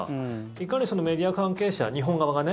いかに、そのメディア関係者日本側がね。